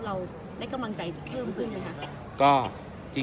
เราได้กำลังใจเพิ่มขึ้นไหมคะ